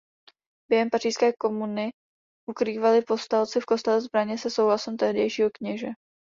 Během Pařížské komuny ukrývali povstalci v kostele zbraně se souhlasem tehdejšího kněze.